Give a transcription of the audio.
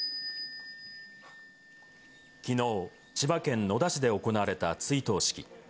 きのう、千葉県野田市で行われた追悼式。